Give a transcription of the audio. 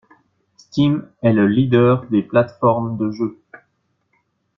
Steam est le leader des plateformes de jeux.